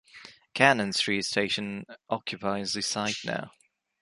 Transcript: Cannon Street station occupies the site now.